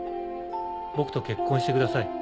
僕と結婚してください。